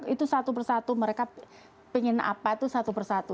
itu satu persatu mereka ingin apa itu satu persatu